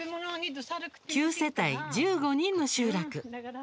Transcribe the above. ９世帯１５人の集落。